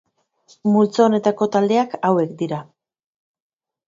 Multzo honetako taldeak hauek dira.